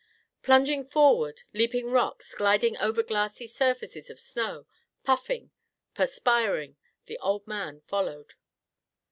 Plunging forward, leaping rocks, gliding over glassy surfaces of snow, puffing, perspiring, the old man followed.